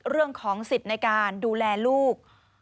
เรื่องของสิทธิ์ในการดูแลลูก